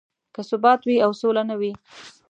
که ثبات وي او سوله نه وي.